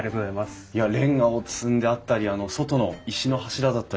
いやレンガを積んであったり外の石の柱だったり。